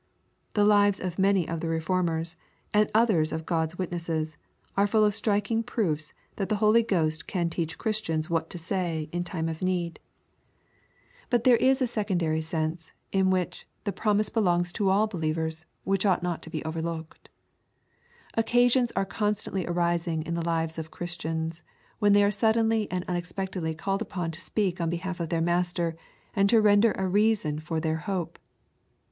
The lives of many of the Re formers, and others of God's witnesses, are full of strik ing proofs that the Holy Ghost can teach Christians what to say in time of need. 68 EXPOSITORY THOUGHTS. But there is a secondary sense, in whicL the promise belongs to all believers, which ought not be overlooked. Occasions are constantly arising in the lives of Christians, when they are suddenly and unexpectedly called upon to speak on behalf of their Master, and to render a reason of their hope.